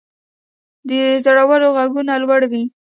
د زړورو ږغونه لوړ وي.